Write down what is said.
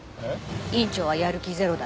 院長はやる気ゼロだったのに。